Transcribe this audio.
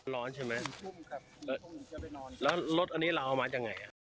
ร้อนใช่ไหมแล้วรถอันนี้เราเอามาจากไหนอ่ะ